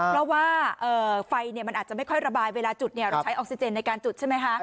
เพราะว่าไฟมันอาจจะไม่ค่อยระบายเวลาจุดเราใช้ออกซิเจนในการจุดใช่ไหมคะ